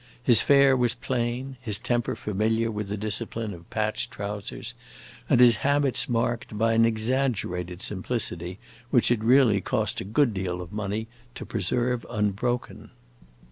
His fare was plain, his temper familiar with the discipline of patched trousers, and his habits marked by an exaggerated simplicity which it really cost a good deal of money to preserve unbroken.